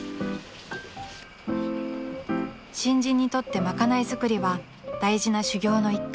［新人にとってまかない作りは大事な修業の一環］